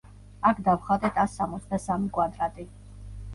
აქ დავხატეთ ას სამოცდასამი კვადრატი.